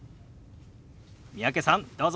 三宅さんどうぞ！